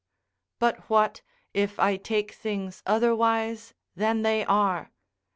But what, if I take things otherwise than they are?